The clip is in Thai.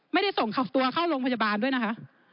ไม่ได้ส่งตัวเข้าโรงพยาบาลด้วยนะคะ